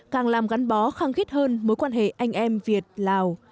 càng làm gắn bó khăng khít hơn mối quan hệ anh em việt lào